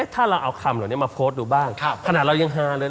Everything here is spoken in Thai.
ถ้าเราเอาคำเหล่านี้มาโพสต์ดูบ้างขนาดเรายังฮาเลย